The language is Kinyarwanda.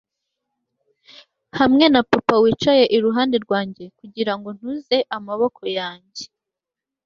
hamwe na Papa wicaye iruhande rwanjye kugirango ntuze amaboko yanjye